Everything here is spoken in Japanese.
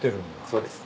そうです。